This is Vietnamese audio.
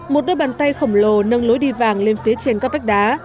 một đôi bàn tay khổng lồ nâng lối đi vàng lên phía trên các vách đá